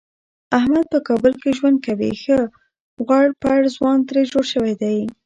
احمد په کابل کې ژوند کوي ښه غوړپېړ ځوان ترې جوړ شوی دی.